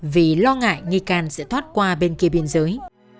vì lo ngại nghi can sẽ thoát qua bên kia biên giới